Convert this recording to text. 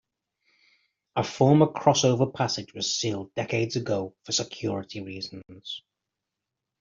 A former crossover passage was sealed decades ago for security reasons.